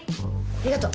ありがとう。